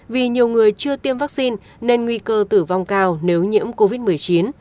vì nhiều người chưa tiêm vaccine nên nguy cơ tử vong cao nếu nhiễm covid một mươi chín